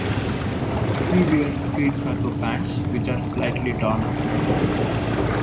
He wears green cargo pants, which are slightly torn up.